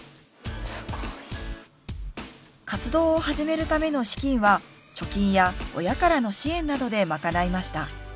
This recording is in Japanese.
すごい！活動を始めるための資金は貯金や親からの支援などで賄いました。